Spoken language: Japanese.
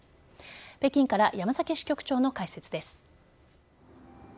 北京から山崎支局長の解説です。